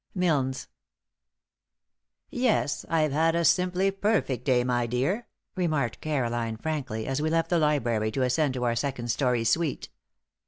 Milnes. "Yes, I've had a simply perfect day, my dear," remarked Caroline, frankly, as we left the library to ascend to our second story suite.